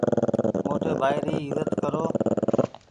موٽي ڀآئي ايزت ڪرو۔